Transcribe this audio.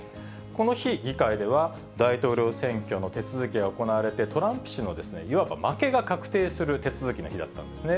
この日、議会では大統領選挙の手続きが行われて、トランプ氏のいわば負けが確定する手続きの日だったんですね。